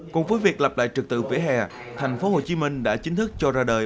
cùng với việc lập lại trật tự vỉa hè tp hcm đã chính thức cho ra đời